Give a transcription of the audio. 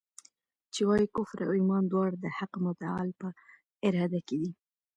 چي وايي کفر او ایمان دواړه د حق متعال په اراده کي دي.